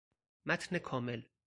متن کامل